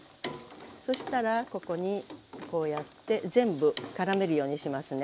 そしたらここにこうやって全部絡めるようにしますね。